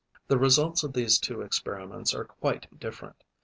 The results of these two experiments are quite different.